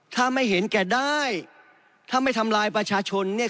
ถ้าไม่เห็นแก่ได้ถ้าไม่ทำลายประชาชนเนี่ย